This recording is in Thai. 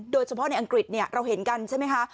โดยเฉพาะในอังกฤษเราเห็นกันใช่ไหมคะ